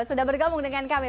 sudah bergabung dengan kami